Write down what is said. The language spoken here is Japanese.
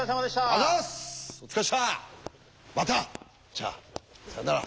じゃあさよなら。